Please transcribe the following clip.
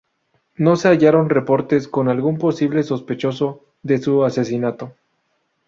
No se hallaron reportes con algún posible sospechoso de su asesinato.